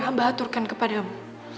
hamba aturkan kepadamu